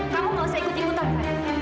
kamu gak usah ikut ikut aku